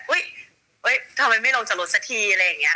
ทำไมไม่ลงจากรถสักทีอะไรอย่างนี้